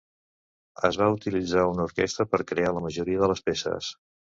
Es va utilitzar una orquestra per crear la majoria de les peces.